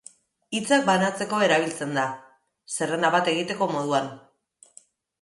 Hitzak banatzeko erabiltzen da, zerrenda bat egiteko moduan.